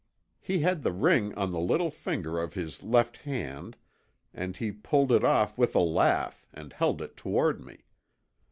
He had the ring on the little finger of his left hand and he pulled it off with a laugh and held it toward me.